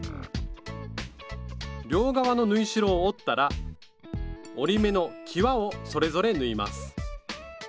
両側の縫い代を折ったら折り目のきわをそれぞれ縫います。